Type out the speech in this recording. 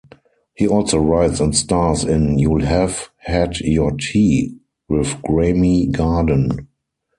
He also writes and stars in "You'll Have Had Your Tea" with Graeme Garden.